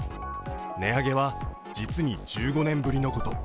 値上げは、実に１５年ぶりのこと。